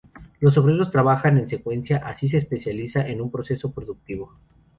Los obreros trabajan en secuencia, así se especializan en un proceso productivo.